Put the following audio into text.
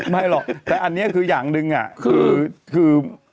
ไม่เหรอแต่อันเนี้ยคืออย่างนึงอ่ะคือคือ